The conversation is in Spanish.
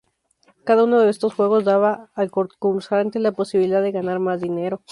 Cada uno de estos juegos daba al concursante la posibilidad de ganar más dinero.